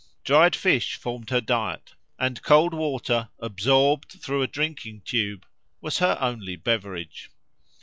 Dried fish formed her diet, and cold water, absorbed through a drinking tube, was her only beverage.